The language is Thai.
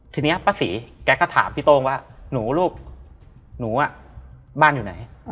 ทีนี้ป้าศรีแกก็ถามพี่โต้งว่าหนูลูกหนูบ้านอยู่ไหน